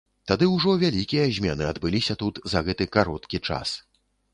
Тады ўжо вялікія змены адбыліся тут за гэты кароткі час.